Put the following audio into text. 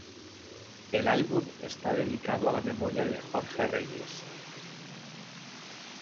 El álbum está dedicado a la memoria de Jorge Reyes.